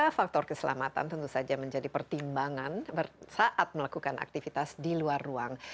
karena faktor keselamatan tentu saja menjadi pertimbangan saat melakukan aktivitas di luar ruang